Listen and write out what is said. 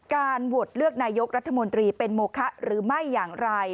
โหวตเลือกนายกรัฐมนตรีเป็นโมคะหรือไม่อย่างไร